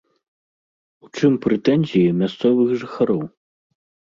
У чым прэтэнзіі мясцовых жыхароў?